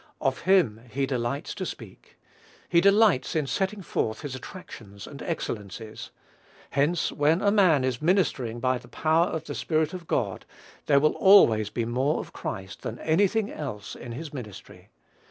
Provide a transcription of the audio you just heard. Of him he delights to speak. He delights in setting forth his attractions and excellencies. Hence, when a man is ministering by the power of the Spirit of God, there will always be more of Christ than any thing else in his ministry.